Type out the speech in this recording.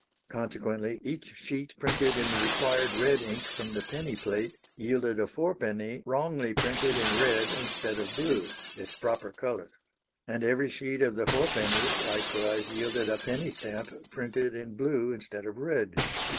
Consequently, each sheet printed in the required red ink from the penny plate yielded a fourpenny wrongly printed in red instead of blue, its proper colour; and every sheet of the fourpenny likewise yielded a penny stamp printed in blue instead of red.